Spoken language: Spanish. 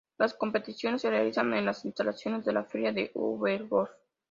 Las competiciones se realizaron en las instalaciones de la Feria de Düsseldorf.